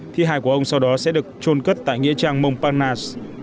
thi hai của ông sau đó sẽ được trôn cất tại nghĩa trang montparnasse